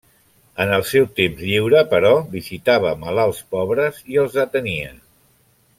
En el seu temps lliure, però, visitava malalts pobres i els atenia.